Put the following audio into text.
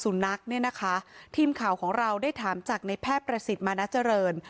สุนัขเนี่ยนะคะทีมข่าวของเราได้ถามจากในแพทย์ประสิทธิ์มานะเจริญ